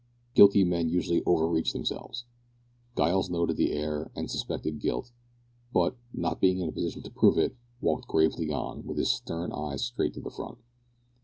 Guilty men usually over reach themselves. Giles noted the air, and suspected guilt, but, not being in a position to prove it, walked gravely on, with his stern eyes straight to the front.